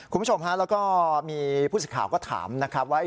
คุณผู้ชมฮะแล้วก็มีผู้สิทธิ์ข่าวก็ถามนะครับว่า